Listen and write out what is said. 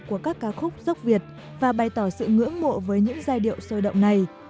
của các ca khúc dốc việt và bày tỏ sự ngưỡng mộ với những giai điệu sôi động này